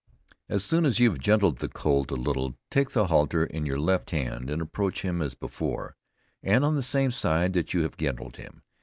As soon as you have gentled the colt a little, take the halter in your left hand and approach him as before, and on the same side that you have gentled him.